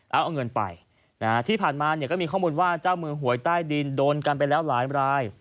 เอาเงินไปที่ผ่านมาเนี่ยก็มีข้อมูลว่าเจ้ามือหวยใต้ดินโดนกันไปแล้วหลายราย